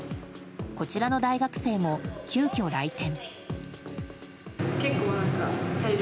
こちらの大学生も急きょ来店。